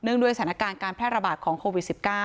หนึ่งด้วยสถานการณ์การพลายราบาสของโควิด๑๙